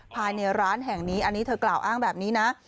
ภายในร้านแห่งนี้อันนี้เธอกล่าวอ้างแบบนี้นะ